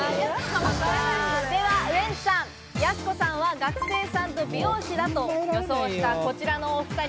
ではウエンツさん、やす子さんは学生さんと美容師だと予想した、こちらのお二人。